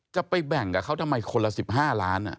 จะไปแบ่งกับเขาทำไมคนละ๑๕ล้าน